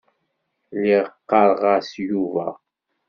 Lliɣ ɣɣareɣ-as Yuba.